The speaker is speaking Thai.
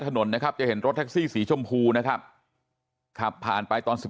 ถนนนะครับจะเห็นรถแท็กซี่สีชมพูนะครับขับผ่านไปตอน๑๑